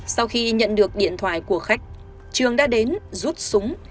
sau khi nhận được điện thoại của khách trường đã đến rút súng